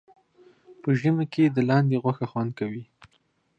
په ژمي کې د لاندي غوښه خوند کوي